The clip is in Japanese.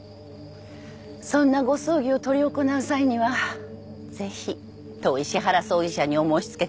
そんなご葬儀を執り行う際にはぜひ当石原葬儀社にお申し付けくださいませ。